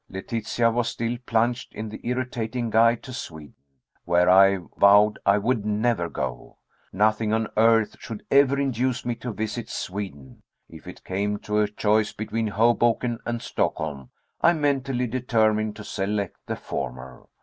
Letitia was still plunged in the irritating guide to Sweden, where I vowed I would never go. Nothing on earth should ever induce me to visit Sweden. If it came to a choice between Hoboken and Stockholm, I mentally determined to select the former.